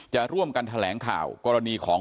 จะร่วมกันแถลงข่าวกรณีของ